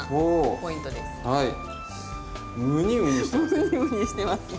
ムニムニしてますね。